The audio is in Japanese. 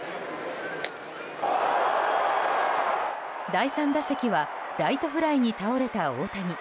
第３打席はライトフライに倒れた大谷。